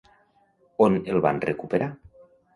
On el van recuperar?